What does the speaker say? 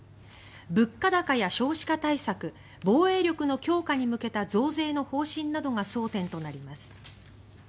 物価高や少子化対策防衛力の強化に向けた増税の方針などが争点となります。